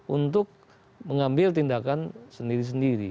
untuk mengambil tindakan sendiri sendiri